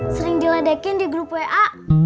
sering diledakin di grup wa